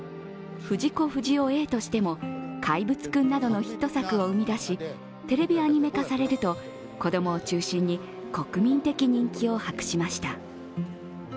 藤子不二雄Ａとしても「怪物くん」などのヒット作を生み出し、テレビアニメ化されると子供を中心に国民的人気を博しました。